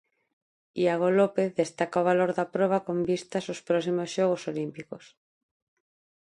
Iago López destaca o valor da proba con vistas aos próximos xogos olímpicos.